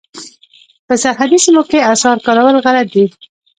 په سرحدي سیمو کې اسعار کارول غلط دي.